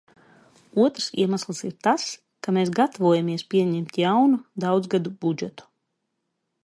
Otrs iemesls ir tas, ka mēs gatavojamies pieņemt jaunu daudzgadu budžetu.